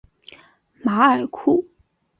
马尔库。